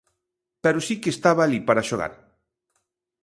Pero si que estaba alí para xogar.